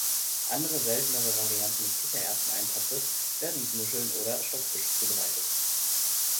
Andere, seltenere Varianten des Kichererbsen-Eintopfes werden mit Muscheln oder Stockfisch zubereitet.